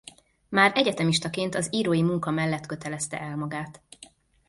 Már egyetemistaként az írói munka mellett kötelezte el magát.